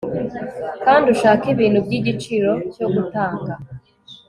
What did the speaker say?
kandi ushake ibintu by'igiciro cyo gutanga